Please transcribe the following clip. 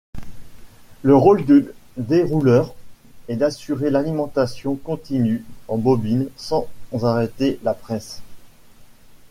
Le rôle du dérouleur est d'assurer l'alimentation continue en bobines, sans arrêter la presse.